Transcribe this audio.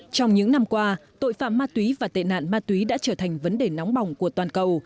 trong những năm qua tội phạm ma túy và tệ nạn ma túy đã trở thành vấn đề nóng bỏng của toàn cầu